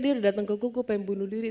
dia datang ke gue gue pengen bunuh diri